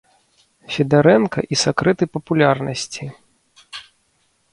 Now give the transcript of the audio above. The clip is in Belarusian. Федарэнка і сакрэты папулярнасці.